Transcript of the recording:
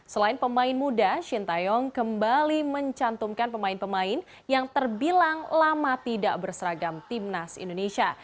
selain pemain muda shin taeyong kembali mencantumkan pemain pemain yang terbilang lama tidak berseragam timnas indonesia